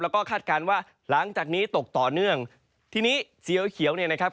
แล้วก็คาดการณ์ว่าหลังจากนี้ตกต่อเนื่องทีนี้สีเขียวเขียวเนี่ยนะครับ